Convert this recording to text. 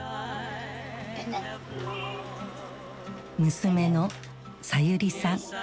娘のさゆりさん。